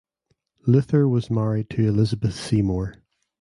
Luther was married to Elizabeth Seymore.